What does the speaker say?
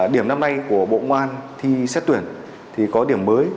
điểm năm nay của bộ công an thi xét tuyển thì có điểm mới